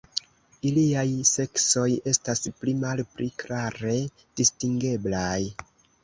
Iliaj seksoj estas pli malpli klare distingeblaj.